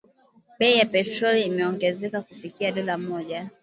Bei ya petroli imeongezeka kufikia dola moja